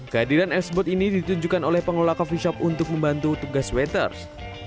kehadiran l spot ini ditunjukkan oleh pengelola coffee shop untuk membantu tugas waiters